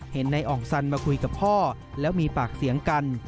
เห็นนายอ่องสันมาคุยกับพ่อแล้วมีปากเสียงกัน